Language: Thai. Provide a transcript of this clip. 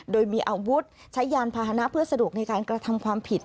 โดยมีอาวุธใช้ยานพาหนะเพื่อสะดวกในการกระทำความผิด